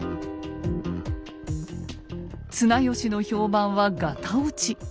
綱吉の評判はガタ落ち。